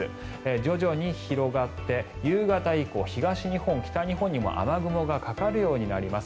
徐々に広がって夕方以降、東日本、北日本にも雨雲がかかるようになります。